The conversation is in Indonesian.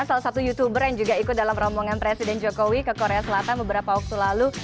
salah satu youtuber yang juga ikut dalam rombongan presiden jokowi ke korea selatan beberapa waktu lalu